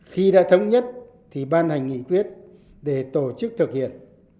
khi đã thống nhất thì ban hành nghị quyết để tổ chức thực hiện